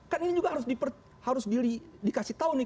kan ini juga harus dikasih tahu nih